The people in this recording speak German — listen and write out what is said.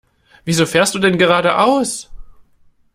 Wieso fährst du denn geradeaus?